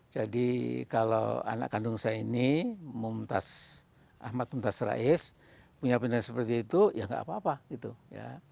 jadi kalau anak kandung saya ini ahmad muntas rais punya pendidikan seperti itu ya enggak apa apa